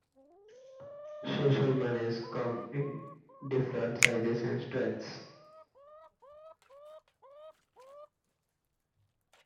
Social manias come in different sizes and strengths.